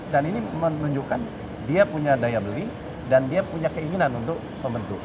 dan ini menunjukkan dia punya daya beli dan dia punya keinginan untuk membentuk